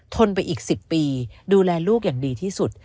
ไปอีก๑๐ปีดูแลลูกอย่างดีที่สุด